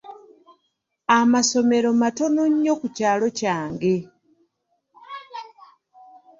Amasomero matono nnyo ku kyalo kyange.